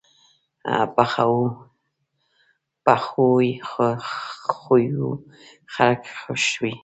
پخو خویو خلک خوښ وي